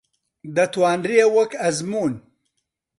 دەتوانرێ وەک ئەزموون